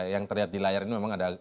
yang terlihat di layar ini memang ada